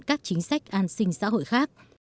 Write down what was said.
các chính sách an sinh xã hội khác